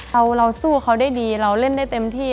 เราสู้เขาได้ดีเราเล่นได้เต็มที่